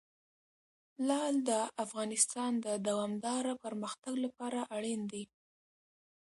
لعل د افغانستان د دوامداره پرمختګ لپاره اړین دي.